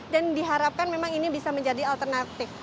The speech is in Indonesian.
dan diharapkan memang ini bisa menjadi alternatif